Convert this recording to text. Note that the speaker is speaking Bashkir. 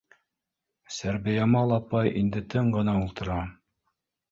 Сәрбиямал апай инде тын ғына ултыра